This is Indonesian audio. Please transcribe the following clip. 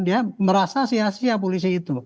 dia merasa sia sia polisi itu